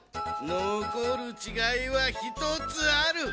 のこるちがいはひとつある。